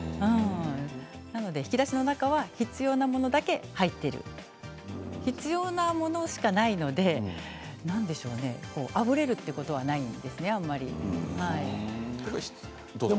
なので引き出しの中に必要なものだけ入っている必要なものしかないのであふれるということはないんですね。